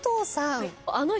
あの人。